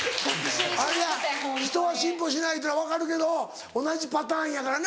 あれや人は進歩しないっていうの分かるけど同じパターンやからな。